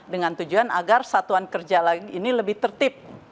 dengan tujuan agar satuan kerja lagi ini lebih tertib